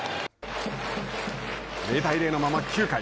０対０のまま９回。